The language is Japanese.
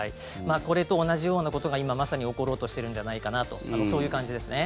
これと同じようなことが今まさに起ころうとしているんじゃないかなとそういう感じですね。